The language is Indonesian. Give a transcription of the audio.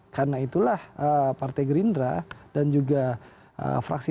karena itulah partai gerindra dan juga dendagri